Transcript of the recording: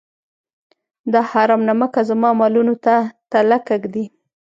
دا حرام نمکه زما مالونو ته تلکه ږدي.